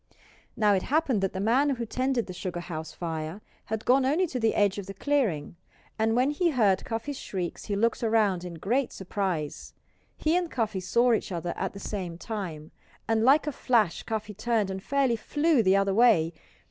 Now it happened that the man who tended the sugar house fire had gone only to the edge of the clearing; and when he heard Cuffy's shrieks he looked around in great surprise. He and Cuffy saw each other at the same time. And like a flash Cuffy turned and fairly flew the other way.